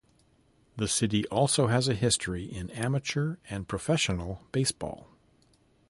The city also has history in amateur and professional baseball.